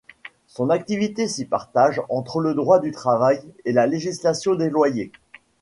Son activité s'y partage entre le droit du travail et la législation des loyers.